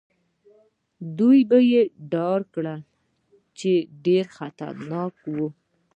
دوی به يې ډار کړل، چې ډېر خطرناک وو.